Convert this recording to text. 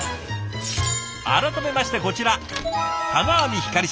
改めましてこちら田名網ひかりさん。